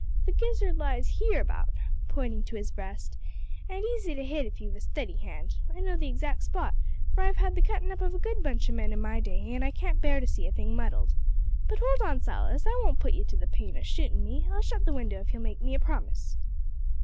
The gizzard lies hereabout (pointing to his breast) and easy to hit if you've a steady hand. I know the exact spot, for I've had the cuttin' up of a good bunch o' men in my day, an' I can't bear to see a thing muddled. But hold on, Silas, I won't put ye to the pain o' shootin' me. I'll shut the window if you'll make me a promise."